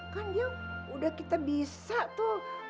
kan dia udah kita bisa tuh